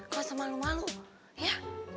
kok semalu malu ya